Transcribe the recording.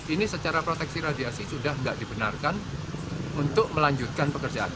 ini secara proteksi radiasi sudah tidak dibenarkan untuk melanjutkan pekerjaan